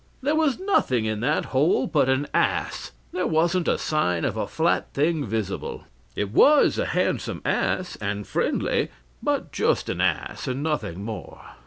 There was nothing in that hole but an ass. There wasn't a sign of a flat thing visible. It was a handsome ass, and friendly, but just an ass, and nothing more."